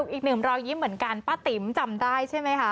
อีกหนึ่งรอยยิ้มเหมือนกันป้าติ๋มจำได้ใช่ไหมคะ